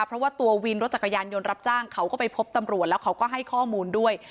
เพราะว่าตัววินรถจักรยานยนต์รับจ้างเขาก็ไปพบตำรวจแล้วเขาก็ให้ข้อมูลด้วย